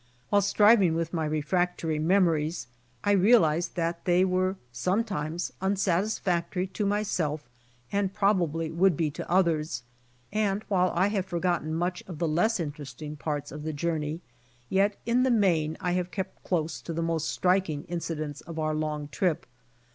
While striving with my refractory memories, I realised that they were sometimes unsatisfactory to myself and probably would be to others, and, while I have for gotten much of the less interesting parts of the THE JOURNEY'S END 139 journey, yet, in the main I have kept close to the most striking incidents of our long trip.